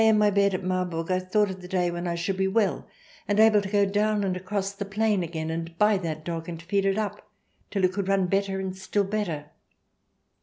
xiv my bed at Marburg I thought of the day when I should be well and able to go down and across the plain again and buy that dog, and feed it up till it could run better and still better.